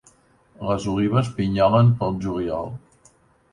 Les olives pinyolen pel juliol.